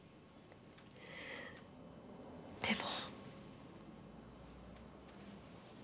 でも。